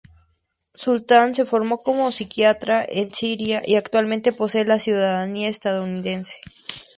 Sultan se formó como psiquiatra en Siria y actualmente posee la ciudadanía estadounidense.